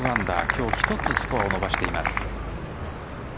今日、１つスコアを伸ばしています。